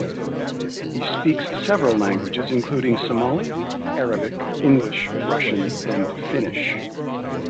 He speaks several languages, including Somali, Arabic, English, Russian and Finnish.